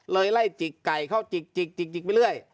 เลยไล่จิกไก่เขาจิกไปเรื่อย